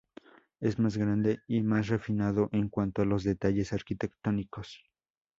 Es más grande y más refinado en cuanto a los detalles arquitectónicos.